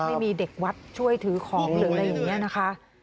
ไม่มีเด็กวัดช่วยถือของหรืออะไรอย่างนี้นะคะ